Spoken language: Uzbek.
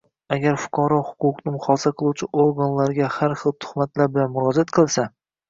Agar fuqaro huquqni muhofaza qiluvchi organlarga har xil tuhmatlar bilan murojaat qilsa